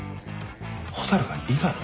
蛍が伊賀の？